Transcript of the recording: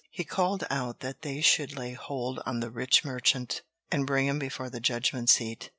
He called out that they should lay hold on the rich merchant, and bring him before the judgment seat.